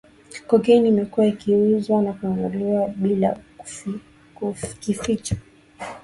Cocaine imekuwa ikiuzwa na kununuliwa bila kificho